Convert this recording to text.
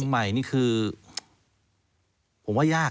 ใหม่นี่คือผมว่ายาก